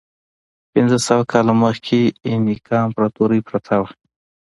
پنځه سوه کاله مخکې اینکا امپراتورۍ پرته وه.